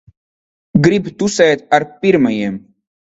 Grib tusēt ar pirmajiem.